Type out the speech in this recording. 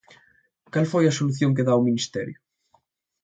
¿Cal foi a solución que dá o Ministerio?